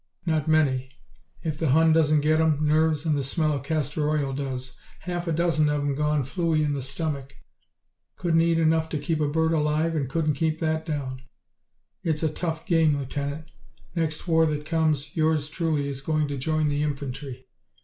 "Not many. If the Hun doesn't get 'em, nerves and the smell of castor oil does. Half a dozen of 'em gone flooey in the stomach. Couldn't eat enough to keep a bird alive and couldn't keep that down. It's a tough game, Lieutenant. Next war that comes yours truly is going to join the infantry."